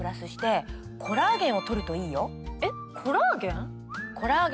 えっコラーゲン？